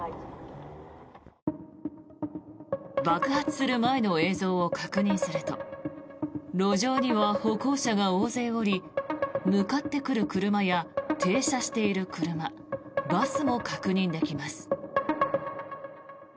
爆発する前の映像を確認すると路上には歩行者が大勢おり向かってくる車や停車している車バスも確認できます。